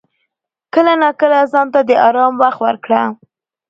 کله ناکله ځان ته د آرام وخت ورکړه.